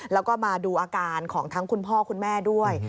แล้วก็มาดูอาการของทั้งคุณพ่อคุณแม่ด้วย